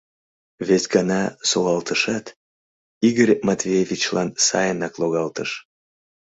Вес гана солалтышат, Игорь Матвеевичлан сайынак логалтыш.